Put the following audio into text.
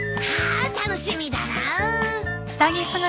あー楽しみだなぁ！